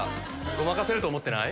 ごまかせると思ってない？